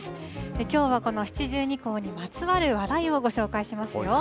きょうはこの七十二候にまつわる話題をご紹介しますよ。